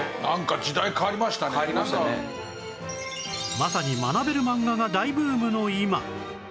まさに学べる漫画が大ブームの今